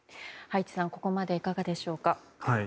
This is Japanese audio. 葉一さん、ここまでいかがでしょうか。